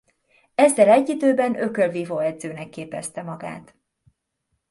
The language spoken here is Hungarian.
Ezzel egy időben ökölvívó edzőnek képezte magát.